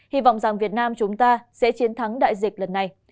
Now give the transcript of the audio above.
hy vọng rằng việt nam chúng ta sẽ chiến thắng đại dịch lần này